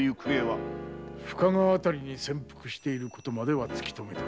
深川あたりに潜伏していることまでは突き止めた。